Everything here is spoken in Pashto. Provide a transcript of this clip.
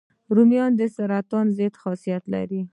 رومیان د سرطان ضد خاصیت لري